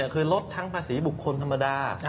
คือลดทั้งภาษีบุคคลธรรมดา